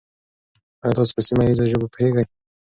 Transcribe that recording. آیا تاسو په سیمه ییزو ژبو پوهېږئ؟